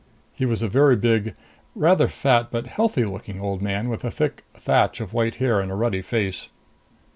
He was a very big, rather fat but healthy looking old man with a thick thatch of white hair and a ruddy face.